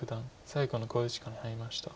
最後の考慮時間に入りました。